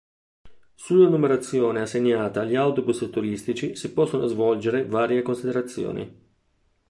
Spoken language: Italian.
Sulla numerazione assegnata agli autobus turistici si possono svolgere varie considerazioni.